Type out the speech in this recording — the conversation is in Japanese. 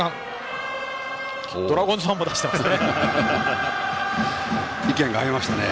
ドラゴンズファンも「勝負眼」を出していますね。